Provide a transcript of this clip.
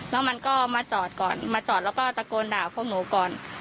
แล้วมันก็มาจอดก่อนมาจอดแล้วก็ตะโกนด่าพวกหนูก่อน